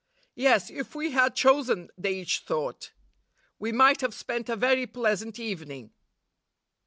'Yes, if we had chosen,' they each thought, 'we might have spent a very pleasant evening.